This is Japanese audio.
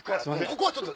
ここはちょっと。